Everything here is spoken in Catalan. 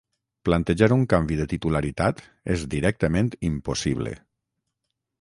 plantejar un canvi de titularitat és directament impossible